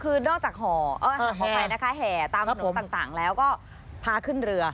อ๋อคือนอกจากห่อห่อไพ้นะคะแห่ตามหนุ่มต่างแล้วก็พาขึ้นเรือ